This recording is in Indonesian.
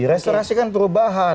restorasi kan perubahan